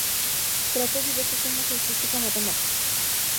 Trató diversos temas de física matemática.